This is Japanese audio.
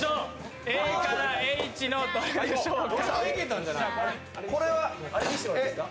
ＡからＨのどれでしょうか。